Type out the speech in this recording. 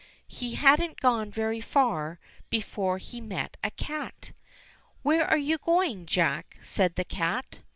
He hadn't gone very far before he met a cat. "Where are you going, Jack?" said the cat.